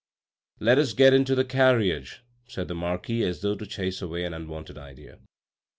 " Let us get into the carriage," said the marquis as though to chase away an unwanted idea.